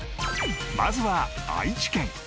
まずは愛知県